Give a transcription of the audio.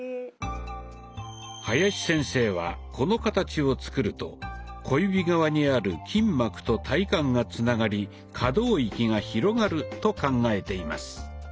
林先生はこの形を作ると小指側にある筋膜と体幹がつながり可動域が広がると考えています。